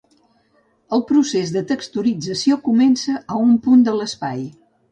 El procés de texturització comença a un punt de l'espai.